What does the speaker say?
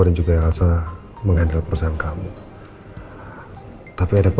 silahkan mbak mbak